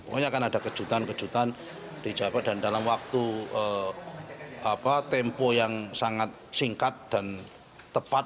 pokoknya akan ada kejutan kejutan di jawa barat dan dalam waktu tempo yang sangat singkat dan tepat